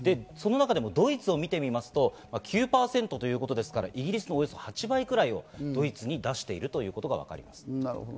その中でもドイツを見ると９％ということですから、イギリスのおよそ８倍くらいをドイツに出しているということがわかります。